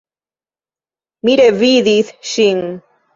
Mi revidis ŝin!